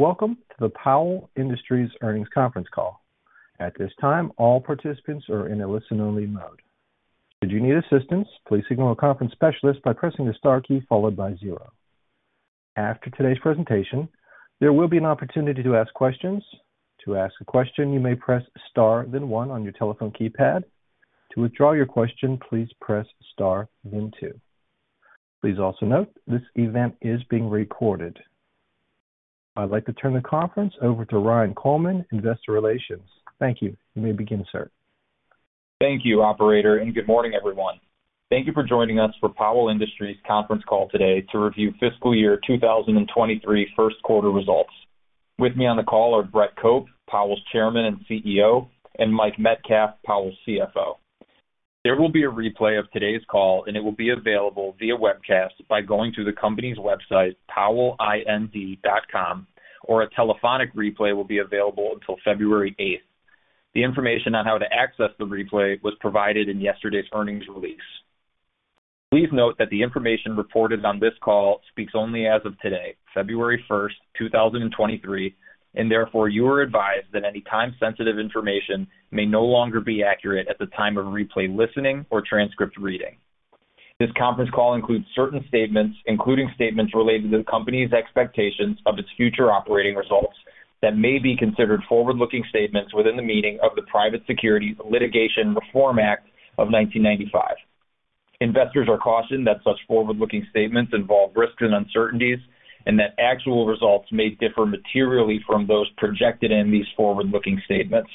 Welcome to the Powell Industries Earnings Conference Call. At this time, all participants are in a listen-only mode. Should you need assistance, please signal a conference specialist by pressing the * key followed by zero. After today's presentation, there will be an opportunity to ask questions. To ask a question, you may press * then one on your telephone keypad. To withdraw your question, please press * then two. Please also note this event is being recorded. I'd like to turn the conference over to Ryan Coleman, Investor Relations. Thank you. You may begin, sir. Thank you, operator, and good morning, everyone. Thank you for joining us for Powell Industries conference call today to review fiscal year 2023 first quarter results. With me on the call are Brett Cope, Powell's Chairman and CEO, and Mike Metcalf, Powell's CFO. There will be a replay of today's call, and it will be available via webcast by going to the company's website, powellind.com, or a telephonic replay will be available until February eighth. The information on how to access the replay was provided in yesterday's earnings release. Please note that the information reported on this call speaks only as of today, February first, 2023, and therefore you are advised that any time-sensitive information may no longer be accurate at the time of replay, listening, or transcript reading. This conference call includes certain statements, including statements related to the company's expectations of its future operating results that may be considered forward-looking statements within the meaning of the Private Securities Litigation Reform Act of 1995. Investors are cautioned that such forward-looking statements involve risks and uncertainties and that actual results may differ materially from those projected in these forward-looking statements.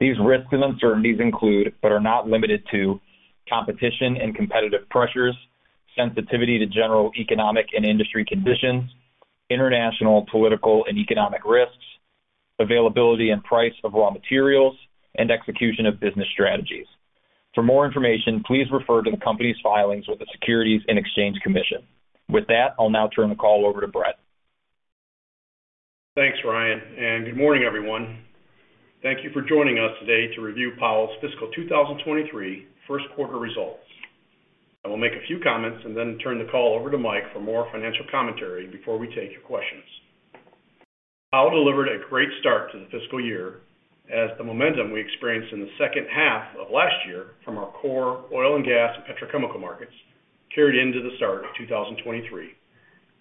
These risks and uncertainties include, but are not limited to, competition and competitive pressures, sensitivity to general economic and industry conditions, international political and economic risks, availability and price of raw materials, and execution of business strategies. For more information, please refer to the company's filings with the Securities and Exchange Commission. With that, I'll now turn the call over to Brett. Thanks, Ryan. Good morning, everyone. Thank you for joining us today to review Powell's fiscal 2023 first quarter results. I will make a few comments then turn the call over to Mike for more financial commentary before we take your questions. Powell delivered a great start to the fiscal year as the momentum we experienced in the second half of last year from our core oil and gas petrochemical markets carried into the start of 2023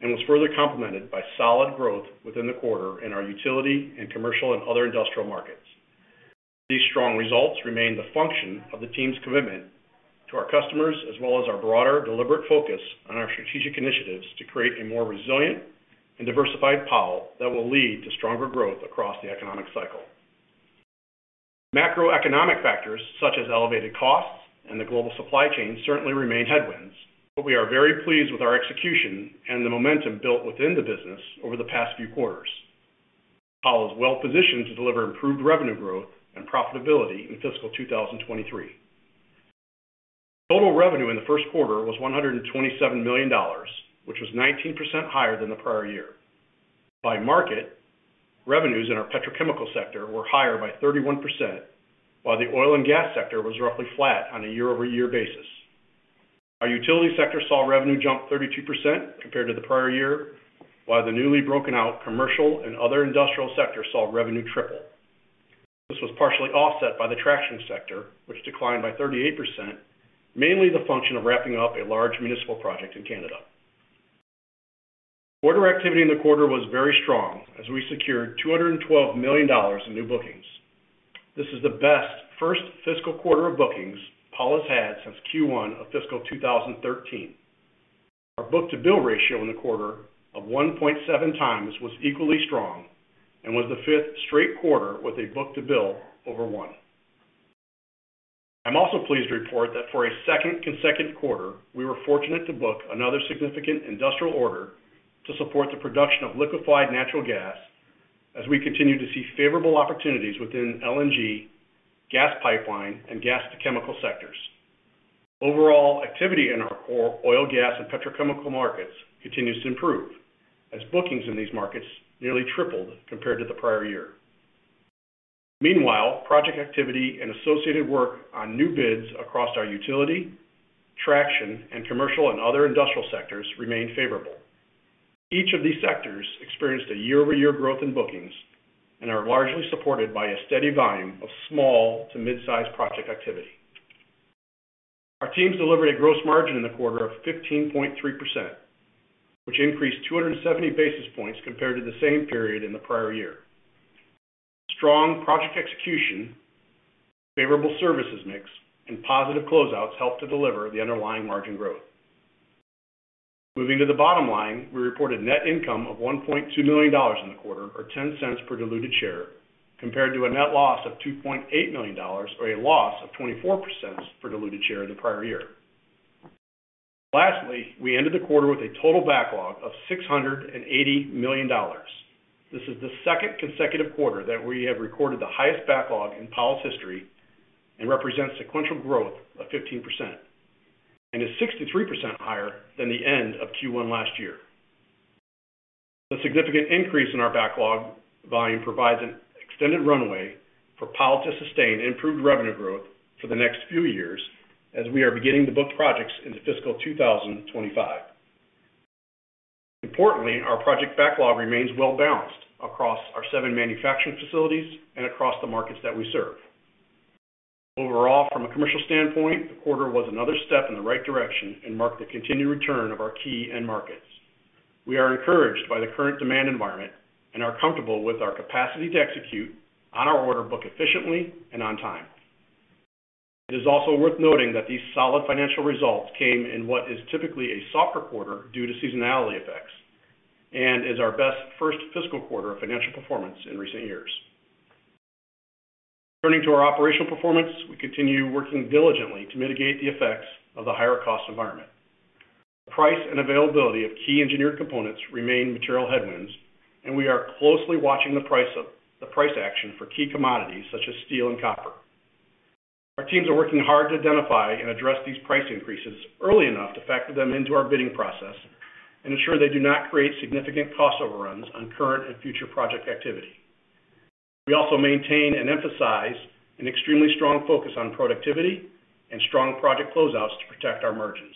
and was further complemented by solid growth within the quarter in our utility and commercial and other industrial markets. These strong results remain the function of the team's commitment to our customers as well as our broader deliberate focus on our strategic initiatives to create a more resilient and diversified Powell that will lead to stronger growth across the economic cycle. Macroeconomic factors such as elevated costs and the global supply chain certainly remain headwinds. We are very pleased with our execution and the momentum built within the business over the past few quarters. Powell is well-positioned to deliver improved revenue growth and profitability in fiscal 2023. Total revenue in the first quarter was $127 million, which was 19% higher than the prior year. By market, revenues in our petrochemical sector were higher by 31%, while the oil and gas sector was roughly flat on a year-over-year basis. Our utility sector saw revenue jump 32% compared to the prior year, while the newly broken out commercial and other industrial sectors saw revenue triple. This was partially offset by the traction sector, which declined by 38%, mainly the function of wrapping up a large municipal project in Canada. Order activity in the quarter was very strong as we secured $212 million in new bookings. This is the best first fiscal quarter of bookings Powell has had since Q1 of fiscal 2013. Our book-to-bill ratio in the quarter of 1.7 times was equally strong and was the fifth straight quarter with a book-to-bill over 1. I'm also pleased to report that for a second consecutive quarter, we were fortunate to book another significant industrial order to support the production of liquefied natural gas as we continue to see favorable opportunities within LNG, gas pipeline, and gas to chemical sectors. Overall activity in our oil, gas, and petrochemical markets continues to improve as bookings in these markets nearly tripled compared to the prior year. Project activity and associated work on new bids across our utility, traction, and commercial and other industrial sectors remain favorable. Each of these sectors experienced a year-over-year growth in bookings and are largely supported by a steady volume of small to mid-size project activity. Our teams delivered a gross margin in the quarter of 15.3%, which increased 270 basis points compared to the same period in the prior year. Strong project execution, favorable services mix, and positive closeouts helped to deliver the underlying margin growth. Moving to the bottom line, we reported net income of $1.2 million in the quarter, or $0.10 per diluted share, compared to a net loss of $2.8 million or a loss of $0.24 per diluted share in the prior year. Lastly, we ended the quarter with a total backlog of $680 million. This is the second consecutive quarter that we have recorded the highest backlog in Powell's history and represents sequential growth of 15%, and is 63% higher than the end of Q1 last year. The significant increase in our backlog volume provides an extended runway for Powell to sustain improved revenue growth for the next few years as we are beginning to book projects into fiscal 2025. Importantly, our project backlog remains well-balanced across our seven manufacturing facilities and across the markets that we serve. From a commercial standpoint, the quarter was another step in the right direction and marked the continued return of our key end markets. We are encouraged by the current demand environment and are comfortable with our capacity to execute on our order book efficiently and on time. It is also worth noting that these solid financial results came in what is typically a softer quarter due to seasonality effects, and is our best first fiscal quarter of financial performance in recent years. Turning to our operational performance, we continue working diligently to mitigate the effects of the higher cost environment. The price and availability of key engineered components remain material headwinds, and we are closely watching the price action for key commodities such as steel and copper. Our teams are working hard to identify and address these price increases early enough to factor them into our bidding process and ensure they do not create significant cost overruns on current and future project activity. We also maintain and emphasize an extremely strong focus on productivity and strong project closeouts to protect our margins.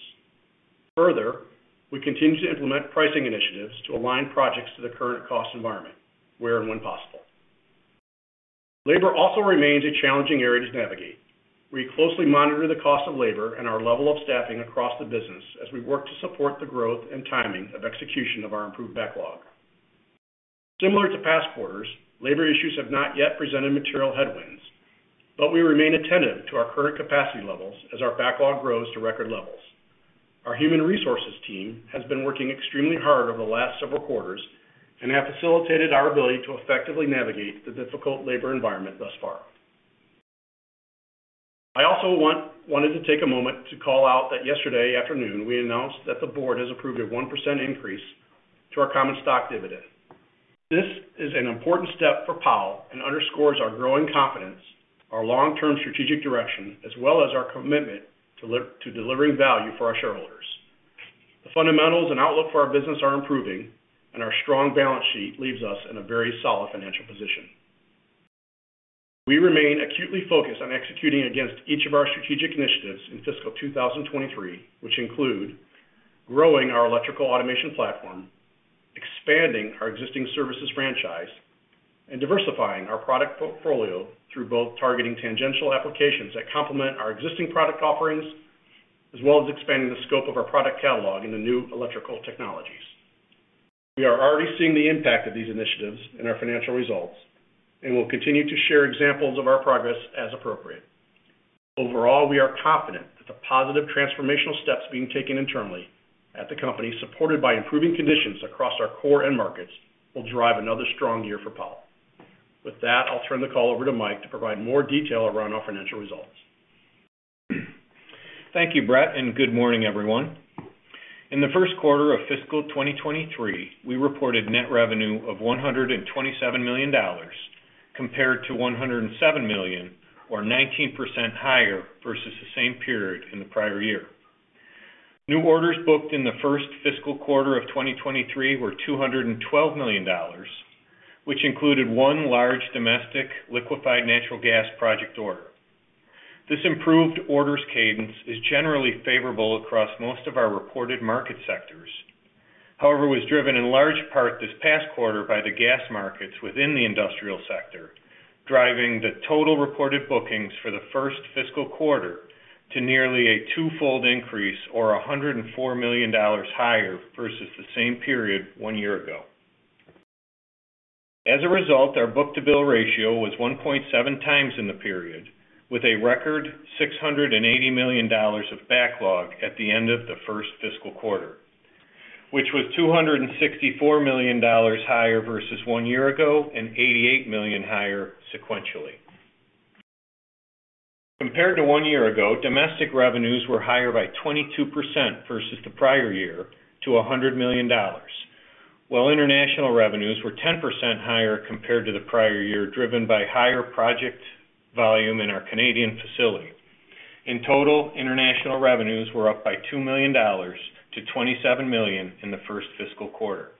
We continue to implement pricing initiatives to align projects to the current cost environment where and when possible. Labor also remains a challenging area to navigate. We closely monitor the cost of labor and our level of staffing across the business as we work to support the growth and timing of execution of our improved backlog. Similar to past quarters, labor issues have not yet presented material headwinds, but we remain attentive to our current capacity levels as our backlog grows to record levels. Our human resources team has been working extremely hard over the last several quarters and have facilitated our ability to effectively navigate the difficult labor environment thus far. I also wanted to take a moment to call out that yesterday afternoon, we announced that the board has approved a 1% increase to our common stock dividend. This is an important step for Powell and underscores our growing confidence, our long-term strategic direction, as well as our commitment to delivering value for our shareholders. The fundamentals and outlook for our business are improving. Our strong balance sheet leaves us in a very solid financial position. We remain acutely focused on executing against each of our strategic initiatives in fiscal 2023, which include growing our electrical automation platform, expanding our existing services franchise, and diversifying our product portfolio through both targeting tangential applications that complement our existing product offerings, as well as expanding the scope of our product catalog in the new electrical technologies. We are already seeing the impact of these initiatives in our financial results and will continue to share examples of our progress as appropriate. Overall, we are confident that the positive transformational steps being taken internally at the company, supported by improving conditions across our core end markets, will drive another strong year for Powell. With that, I'll turn the call over to Mike to provide more detail around our financial results. Thank you, Brett. Good morning, everyone. In the first quarter of fiscal 2023, we reported net revenue of $127 million, compared to $107 million, or 19% higher versus the same period in the prior year. New orders booked in the first fiscal quarter of 2023 were $212 million, which included 1 large domestic liquefied natural gas project order. This improved orders cadence is generally favorable across most of our reported market sectors. However, it was driven in large part this past quarter by the gas markets within the industrial sector, driving the total reported bookings for the first fiscal quarter to nearly a twofold increase or $104 million higher versus the same period 1 year ago. As a result, our book-to-bill ratio was 1.7 times in the period, with a record $680 million of backlog at the end of the first fiscal quarter, which was $264 million higher versus one year ago and $88 million higher sequentially. Compared to one year ago, domestic revenues were higher by 22% versus the prior year to $100 million, while international revenues were 10% higher compared to the prior year, driven by higher project volume in our Canadian facility. In total, international revenues were up by $2 million to $27 million in the first fiscal quarter.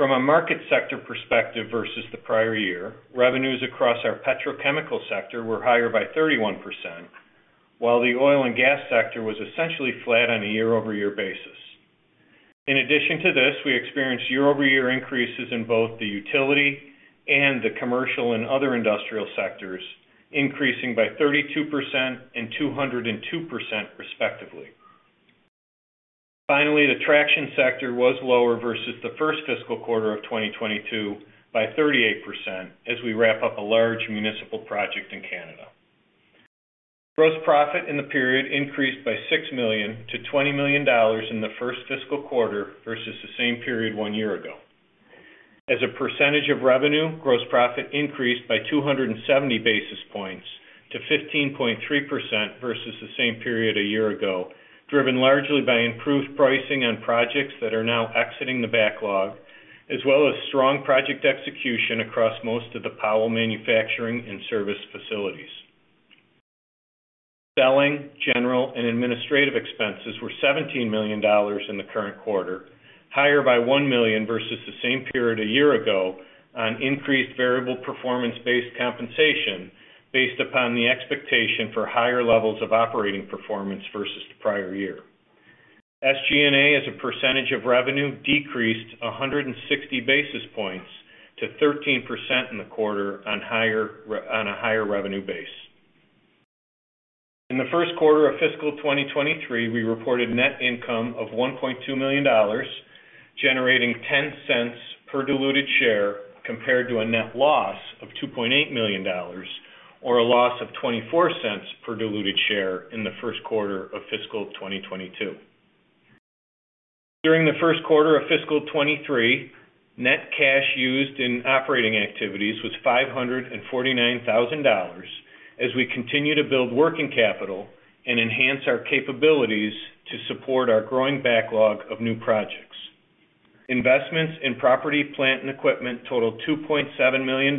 From a market sector perspective versus the prior year, revenues across our petrochemical sector were higher by 31%, while the oil and gas sector was essentially flat on a year-over-year basis. In addition to this, we experienced year-over-year increases in both the utility and the commercial and other industrial sectors, increasing by 32% and 202% respectively. Finally, the traction sector was lower versus the first fiscal quarter of 2022 by 38% as we wrap up a large municipal project in Canada. Gross profit in the period increased by $6 million to $20 million in the first fiscal quarter versus the same period one year ago. As a percentage of revenue, gross profit increased by 270 basis points to 15.3% versus the same period a year ago, driven largely by improved pricing on projects that are now exiting the backlog, as well as strong project execution across most of the Powell manufacturing and service facilities. Selling, general, and administrative expenses were $17 million in the current quarter, higher by $1 million versus the same period a year ago on increased variable performance-based compensation based upon the expectation for higher levels of operating performance versus the prior year. SG&A, as a percentage of revenue, decreased 160 basis points to 13% in the quarter on a higher revenue base. In the first quarter of fiscal 2023, we reported net income of $1.2 million, generating $0.10 per diluted share compared to a net loss of $2.8 million or a loss of $0.24 per diluted share in the first quarter of fiscal 2022. During the first quarter of fiscal 2023, net cash used in operating activities was $549,000 as we continue to build working capital and enhance our capabilities to support our growing backlog of new projects. Investments in property, plant, and equipment totaled $2.7 million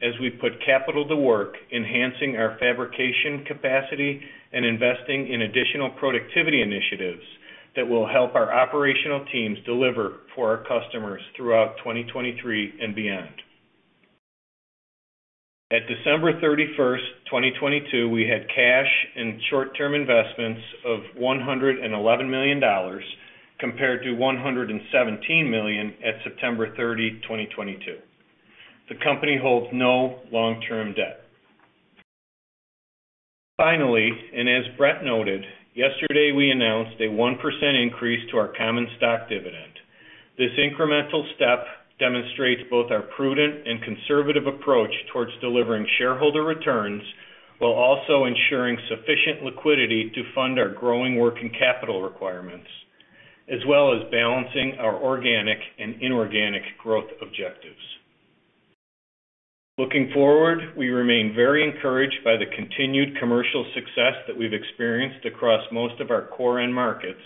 as we put capital to work enhancing our fabrication capacity and investing in additional productivity initiatives that will help our operational teams deliver for our customers throughout 2023 and beyond. At December 31st, 2022, we had cash and short-term investments of $111 million compared to $117 million at September 30, 2022. The company holds no long-term debt. Finally, and as Brett noted, yesterday we announced a 1% increase to our common stock dividend. This incremental step demonstrates both our prudent and conservative approach towards delivering shareholder returns while also ensuring sufficient liquidity to fund our growing working capital requirements, as well as balancing our organic and inorganic growth objectives. Looking forward, we remain very encouraged by the continued commercial success that we've experienced across most of our core end markets,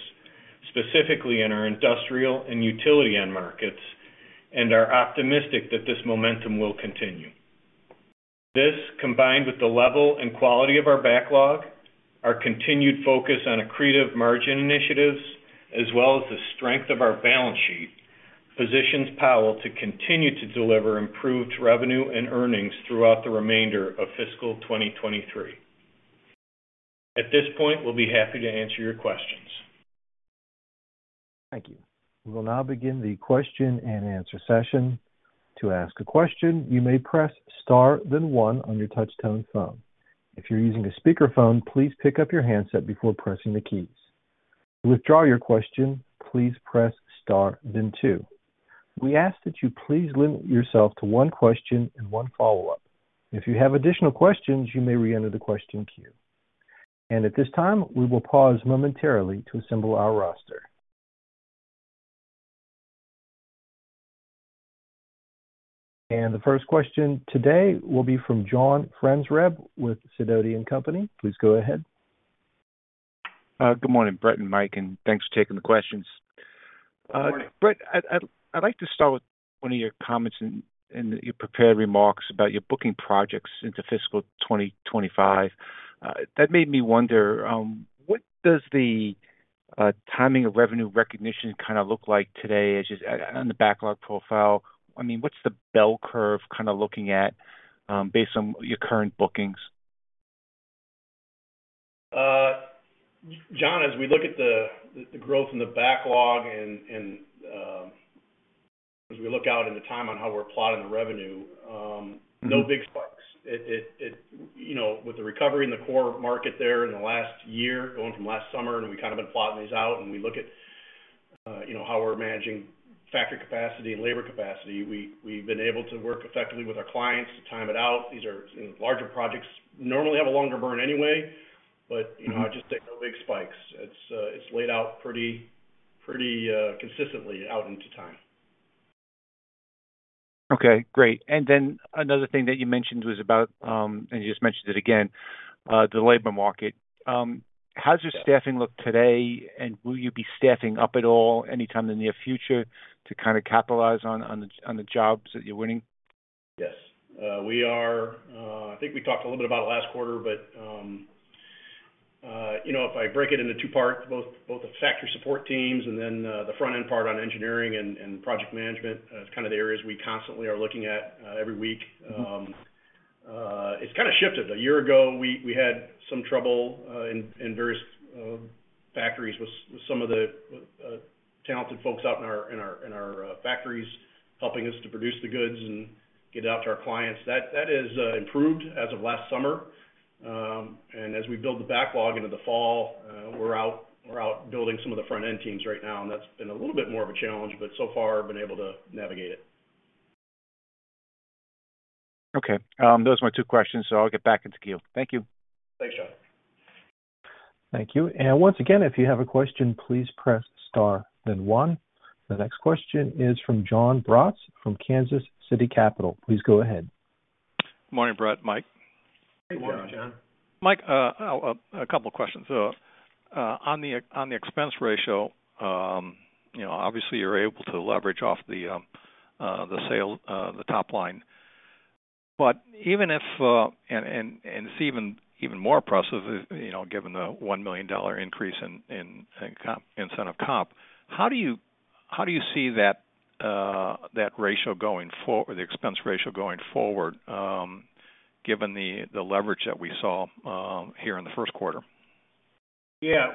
specifically in our industrial and utility end markets, and are optimistic that this momentum will continue. This, combined with the level and quality of our backlog, our continued focus on accretive margin initiatives, as well as the strength of our balance sheet, positions Powell to continue to deliver improved revenue and earnings throughout the remainder of fiscal 2023. At this point, we will be happy to answer your questions. Thank you. We will now begin the question and answer session. To ask a question, you may press * then one on your touch tone phone. If you're using a speakerphone, please pick up your handset before pressing the keys. To withdraw your question, please press * then two. We ask that you please limit yourself to one question and one follow-up. If you have additional questions, you may reenter the question queue. At this time, we will pause momentarily to assemble our roster. The first question today will be from John Franzreb with Sidoti & Company. Please go ahead. Good morning, Brett and Mike, and thanks for taking the questions. Good morning. Brett, I'd like to start with one of your comments in your prepared remarks about your booking projects into fiscal 2025. That made me wonder, what does the timing of revenue recognition kinda look like today as you on the backlog profile? I mean, what's the bell curve kinda looking at, based on your current bookings? John, as we look at the growth in the backlog and, as we look out into time on how we're plotting the revenue. Mm-hmm. No big spikes. It, you know, with the recovery in the core market there in the last year, going from last summer, and we've kinda been plotting these out, and we look at, you know, how we're managing factory capacity and labor capacity, we've been able to work effectively with our clients to time it out. These are, you know, larger projects. Normally have a longer burn anyway, but, you know. Mm-hmm. Just there's no big spikes. It's laid out pretty, consistently out into time. Okay. Great. Another thing that you mentioned was about, and you just mentioned it again, the labor market. How's your staffing look today, and will you be staffing up at all anytime in the near future to kinda capitalize on the jobs that you're winning? Yes. We are. I think we talked a little bit about it last quarter, but you know, if I break it into two parts, both the factory support teams and then the front-end part on engineering and project management is kind of the areas we constantly are looking at every week. It's kinda shifted. A year ago, we had some trouble in various factories with some of the talented folks out in our factories helping us to produce the goods and get it out to our clients. That has improved as of last summer. As we build the backlog into the fall, we're out building some of the front-end teams right now, and that's been a little bit more of a challenge, but so far been able to navigate it. Okay. Those are my two questions, so I'll get back into queue. Thank you. Thanks, John. Thank you. once again, if you have a question, please press * then one. The next question is from Jon Braatz from Kansas City Capital. Please go ahead. Morning, Brett, Mike. Good morning, John. Hey, John. Mike, a couple questions. On the expense ratio, you know, obviously you're able to leverage off the top line. Even if it's even more impressive, you know, given the $1 million increase in incentive comp. How do you see that expense ratio going forward, given the leverage that we saw here in the first quarter? Yeah.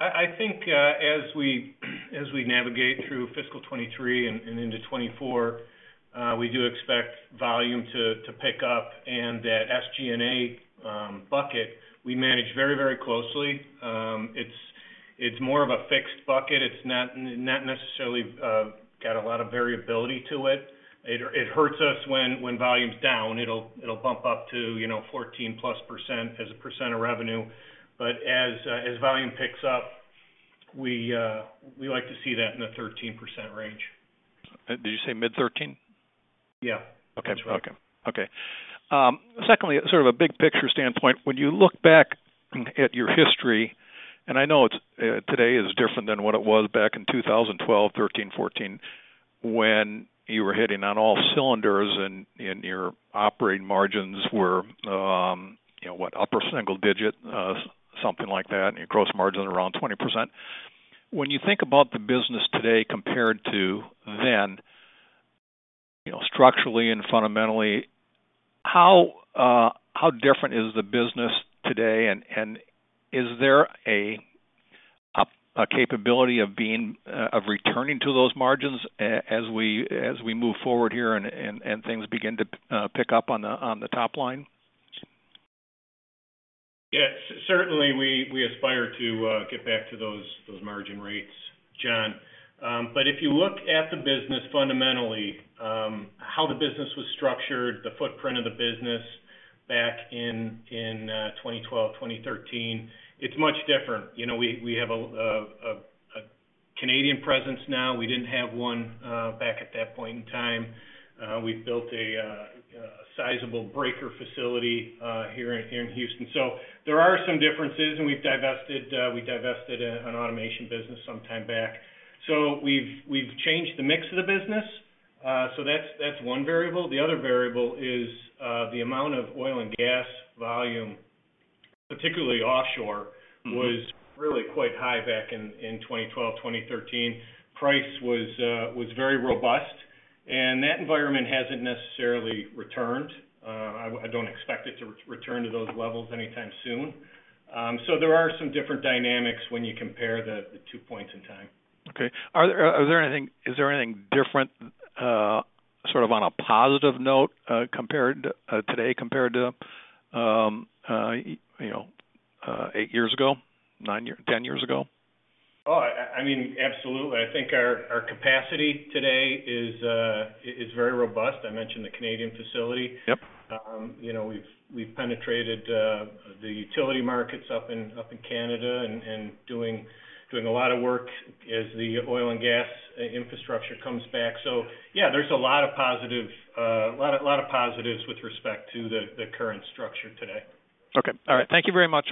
I think as we navigate through fiscal 2023 and into 2024, we do expect volume to pick up and that SG&A bucket we manage very closely. It's more of a fixed bucket. It's not necessarily got a lot of variability to it. It hurts us when volume's down. It'll bump up to, you know, 14+% as a percent of revenue. As volume picks up, we like to see that in the 13% range. Did you say mid-13? Yeah. Okay. Okay. Okay. Secondly, sort of a big picture standpoint, when you look back at your history, and I know it's, today is different than what it was back in 2012, 13, 14 when you were hitting on all cylinders and your operating margins were, you know, what? Upper single digit, something like that, and your gross margin around 20%. When you think about the business today compared to then, you know, structurally and fundamentally, how different is the business today? Is there a capability of being of returning to those margins as we move forward here and things begin to pick up on the top line? Yeah. Certainly, we aspire to get back to those margin rates, John. If you look at the business fundamentally, how the business was structured, the footprint of the business back in 2012, 2013, it's much different. You know, we have a Canadian presence now. We didn't have one back at that point in time. We've built a sizable breaker facility here in Houston. There are some differences, we've divested an automation business sometime back. We've changed the mix of the business, that's one variable. The other variable is the amount of oil and gas volume, particularly offshore- Mm-hmm. was really quite high back in 2012, 2013. Price was very robust. That environment hasn't necessarily returned. I don't expect it to re-return to those levels anytime soon. There are some different dynamics when you compare the two points in time. Okay. Is there anything different, sort of on a positive note, compared today compared to, you know, eight years ago, nine years, 10 years ago? Oh, I mean, absolutely. I think our capacity today is very robust. I mentioned the Canadian facility. Yep. You know, we've penetrated the utility markets up in Canada and doing a lot of work as the oil and gas infrastructure comes back. Yeah, there's a lot of positives with respect to the current structure today. Okay. All right. Thank you very much.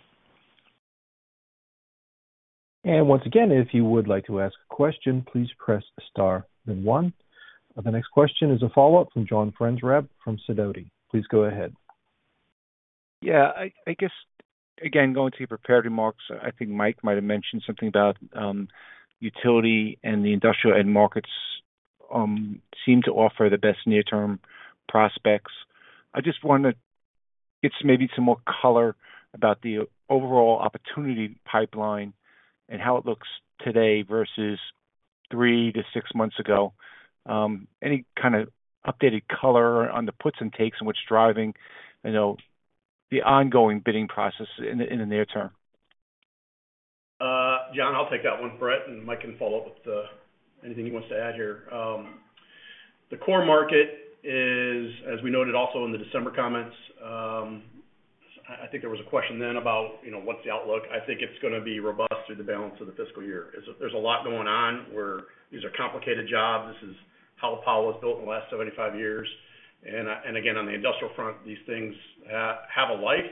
Once again, if you would like to ask a question, please press star then one. The next question is a follow-up from John Franzreb from Sidoti. Please go ahead. Yeah. I guess, again, going to your prepared remarks, I think Mike might have mentioned something about utility and the industrial end markets seem to offer the best near-term prospects. I just wonder, get maybe some more color about the overall opportunity pipeline and how it looks today versus three to six months ago. Any kind of updated color on the puts and takes and what's driving, you know, the ongoing bidding process in the near term? John, I'll take that one, Brett, and Mike can follow up with anything he wants to add here. The core market is, as we noted also in the December comments, I think there was a question then about, you know, what's the outlook. I think it's gonna be robust through the balance of the fiscal year. There's a lot going on. These are complicated jobs. This is how the power was built in the last 75 years. Again, on the industrial front, these things have a life.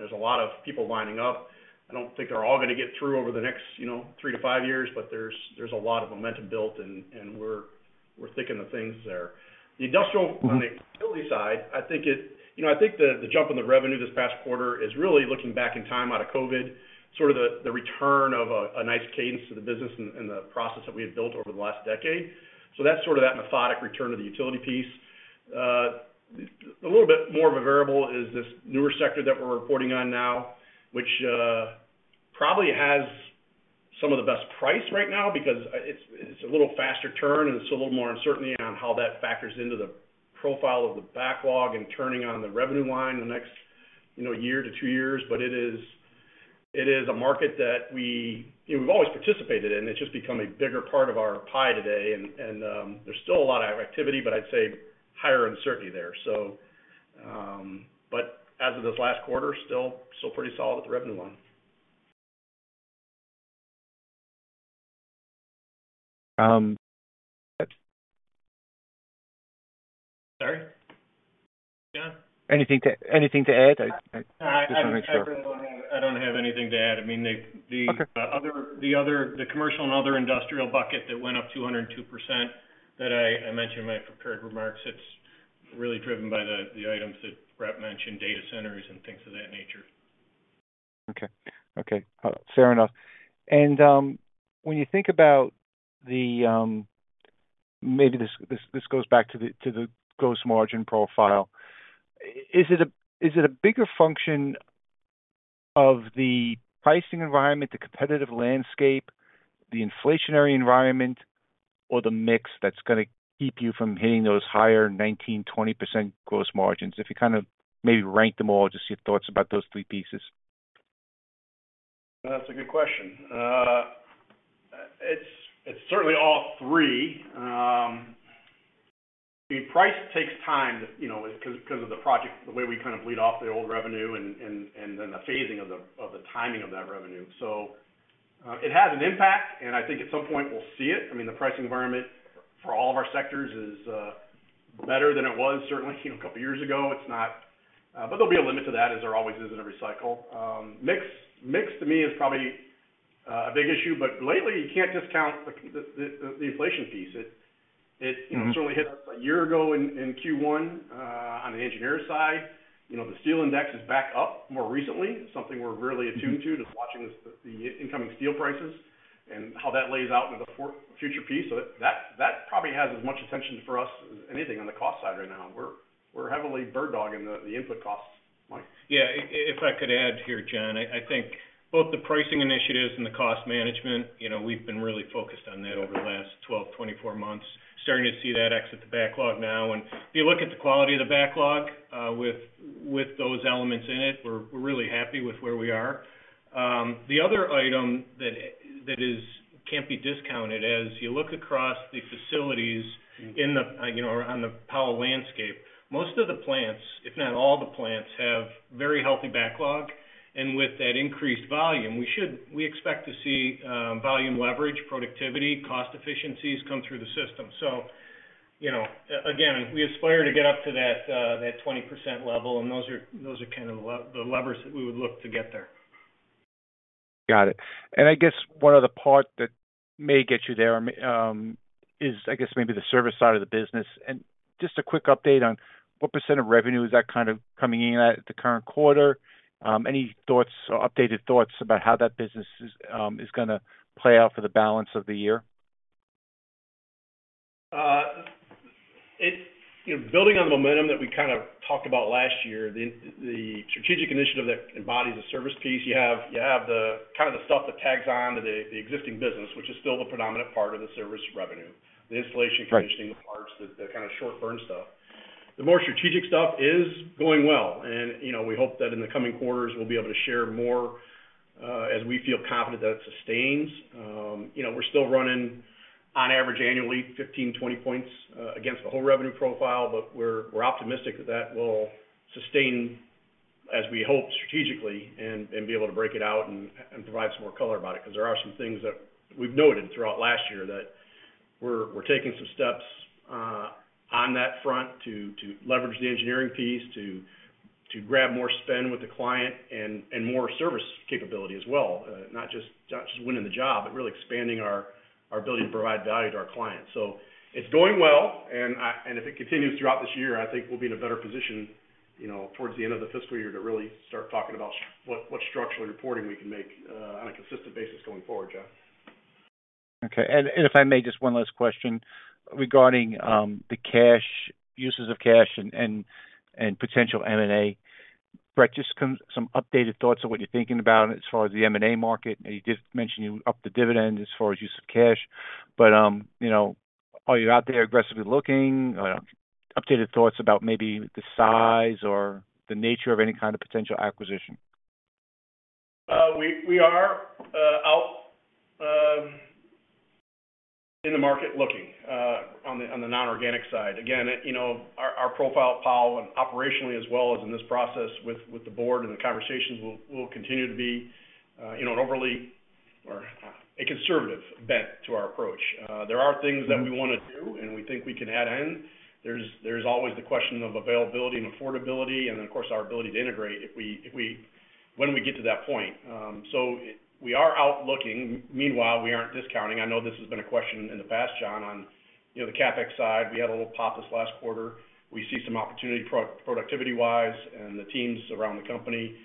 There's a lot of people lining up. I don't think they're all gonna get through over the next, you know, three to five years, but there's a lot of momentum built and we're thinking of things there. Mm-hmm. On the utility side, I think You know, I think the jump in the revenue this past quarter is really looking back in time out of COVID, sort of the return of a nice cadence to the business and the process that we had built over the last decade. That's sort of that methodic return of the utility piece. A little bit more of a variable is this newer sector that we're reporting on now, which probably has some of the best price right now because it's a little faster turn, a little more uncertainty on how that factors into the profile of the backlog and turning on the revenue line the next, you know, year to two years. It is a market that we, you know, we've always participated in. It's just become a bigger part of our pie today. There's still a lot of activity, but I'd say higher uncertainty there. As of this last quarter, still pretty solid with the revenue line. Anything to add? I just wanna make sure. No, I don't have anything to add. I mean, Okay. The commercial and other industrial bucket that went up 202% that I mentioned in my prepared remarks, it's really driven by the items that Brett mentioned, data centers and things of that nature. Okay. Okay, fair enough. When you think about the... Maybe this goes back to the gross margin profile. Is it a bigger function of the pricing environment, the competitive landscape, the inflationary environment, or the mix that's gonna keep you from hitting those higher 19%, 20% gross margins? If you kind of maybe rank them all, just your thoughts about those three pieces? That's a good question. it's certainly all three. the price takes time to, you know, 'cause of the project, the way we kind of lead off the old revenue and then the phasing of the timing of that revenue. It has an impact, and I think at some point we'll see it. I mean, the pricing environment for all of our sectors is better than it was certainly, you know, a couple of years ago. It's not. There'll be a limit to that as there always is in a recycle. mix to me is probably a big issue, but lately, you can't discount the inflation piece. Mm-hmm. You know, certainly hit us a year ago in Q1, on the engineer side. You know, the steel index is back up more recently, something we're really attuned to. Mm-hmm. Just watching the incoming steel prices and how that lays out into the future piece. That probably has as much attention for us as anything on the cost side right now. We're heavily bird-dogging the input costs. Mike. Yeah. If I could add here, John, I think both the pricing initiatives and the cost management, you know, we've been really focused on that over the last 12, 24 months. Starting to see that exit the backlog now. If you look at the quality of the backlog, with those elements in it, we're really happy with where we are. The other item that is... can't be discounted as you look across the facilities- Mm-hmm. In the, you know, or on the Powell landscape. Most of the plants, if not all the plants, have very healthy backlog. With that increased volume, we expect to see volume leverage, productivity, cost efficiencies come through the system. You know, again, we aspire to get up to that 20% level, and those are, those are kind of the levers that we would look to get there. Got it. I guess one other part that may get you there, is I guess maybe the service side of the business. Just a quick update on what % of revenue is that kind of coming in at the current quarter. Any thoughts or updated thoughts about how that business is gonna play out for the balance of the year? You know, building on the momentum that we kind of talked about last year, the strategic initiative that embodies the service piece. You have the kind of the stuff that tags on to the existing business, which is still the predominant part of the service revenue. Right. The installation, conditioning, the parts, the kind of short burn stuff. The more strategic stuff is going well and, you know, we hope that in the coming quarters we'll be able to share more, as we feel confident that it sustains. You know, we're still running on average annually 15, 20 points against the whole revenue profile, but we're optimistic that that will sustain as we hope strategically and be able to break it out and provide some more color about it. 'Cause there are some things that we've noted throughout last year that we're taking some steps on that front to leverage the engineering piece to grab more spend with the client and more service capability as well. not just winning the job, but really expanding our ability to provide value to our clients. It's going well and if it continues throughout this year, I think we'll be in a better position, you know, towards the end of the fiscal year to really start talking about what structural reporting we can make on a consistent basis going forward, John. Okay. If I may, just one last question regarding uses of cash and potential M&A. Brett, just some updated thoughts on what you're thinking about as far as the M&A market. You did mention you upped the dividend as far as use of cash. You know, are you out there aggressively looking? Updated thoughts about maybe the size or the nature of any kind of potential acquisition. We are out in the market looking on the non-organic side. Again, you know, our profile at Powell and operationally as well as in this process with the board and the conversations will continue to be, you know, an overly or a conservative bent to our approach. There are things. Mm-hmm. That we wanna do and we think we can add in. There's always the question of availability and affordability and of course our ability to integrate when we get to that point. We are out looking. Meanwhile, we aren't discounting. I know this has been a question in the past, John, on, you know, the CapEx side. We had a little pop this last quarter. We see some opportunity pro-productivity-wise and the teams around the company,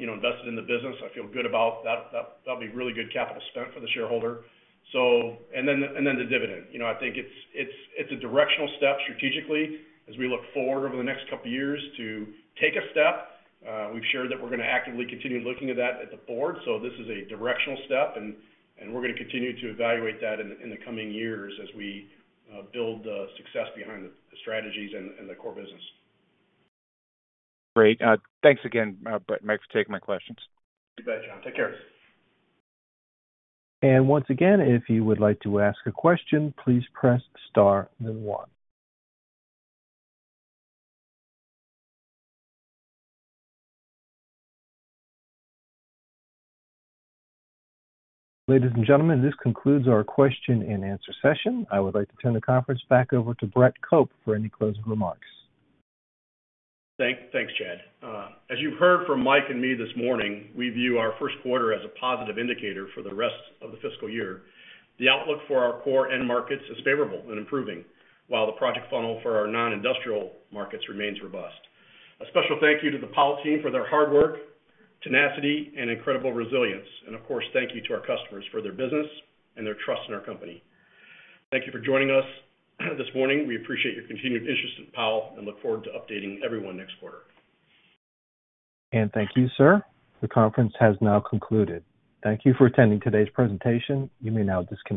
you know, invested in the business. I feel good about that'll be really good capital spent for the shareholder. Then the dividend. You know, I think it's, it's a directional step strategically as we look forward over the next couple of years to take a step. We've shared that we're gonna actively continue looking at that at the board. This is a directional step and we're gonna continue to evaluate that in the coming years as we build the success behind the strategies and the core business. Great. thanks again, Brett and Mike for taking my questions. You bet, John. Take care. Once again, if you would like to ask a question, please press * then one. Ladies and gentlemen, this concludes our question and answer session. I would like to turn the conference back over to Brett Cope for any closing remarks. Thanks, Chad. As you've heard from Mike and me this morning, we view our first quarter as a positive indicator for the rest of the fiscal year. The outlook for our core end markets is favorable and improving, while the project funnel for our non-industrial markets remains robust. A special thank you to the Powell team for their hard work, tenacity, and incredible resilience. Of course, thank you to our customers for their business and their trust in our company. Thank you for joining us this morning. We appreciate your continued interest in Powell and look forward to updating everyone next quarter. Thank you, sir. The conference has now concluded. Thank you for attending today's presentation. You may now disconnect.